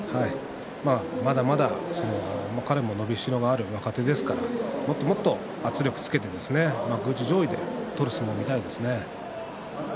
まだまだ彼も伸びしろがある若手ですから、もっともっと圧力をつけて幕内上位で取る相撲を見たいですね。